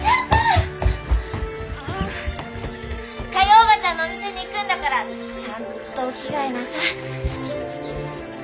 叔母ちゃんのお店に行くんだからちゃんとお着替えなさい。